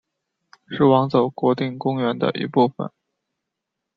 是网走国定公园的一部分。